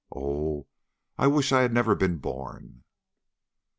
Oh, I wish I had never been born!"